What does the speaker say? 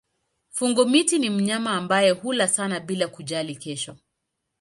Fungo-miti ni mnyama ambaye hula sana bila kujali kesho.